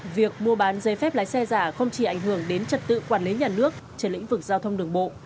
việc mua bán giấy phép lái xe giả không chỉ ảnh hưởng đến trật tự quản lý nhà nước trên lĩnh vực giao thông đường bộ